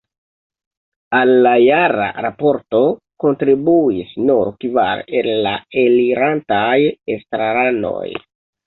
Al la jara raporto kontribuis nur kvar el la elirantaj estraranoj.